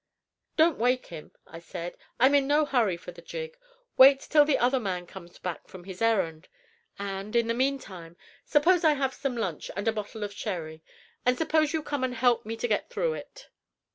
"Don't wake him," I said; "I'm in no hurry for the gig. Wait till the other man comes back from his errand; and, in the meantime, suppose I have some lunch and a bottle of sherry, and suppose you come and help me to get through it?"